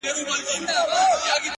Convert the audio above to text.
عجب راگوري د خوني سترگو څه خون راباسـي”